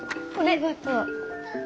ありがとう。